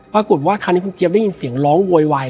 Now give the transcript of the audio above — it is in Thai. ปรากฏว่าคราวนี้คุณเจี๊ยบได้ยินเสียงร้องโวยวาย